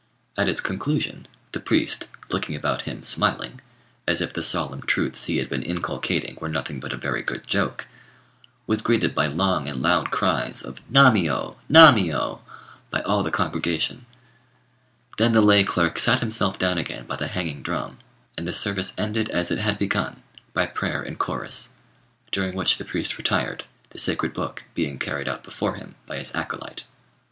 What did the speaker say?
At its conclusion, the priest, looking about him smiling, as if the solemn truths he had been inculcating were nothing but a very good joke, was greeted by long and loud cries of "Nammiyô! nammiyô!" by all the congregation. Then the lay clerk sat himself down again by the hanging drum; and the service ended as it had begun, by prayer in chorus, during which the priest retired, the sacred book being carried out before him by his acolyte.